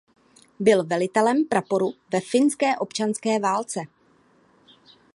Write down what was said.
Byl velitelem praporu ve Finské občanské válce.